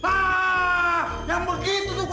kenapa diunggah daya